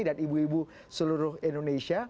dan ibu ibu seluruh indonesia